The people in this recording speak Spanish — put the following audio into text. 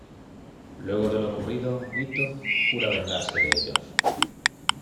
Luego de lo ocurrido, Ittō jura vengarse de ellos.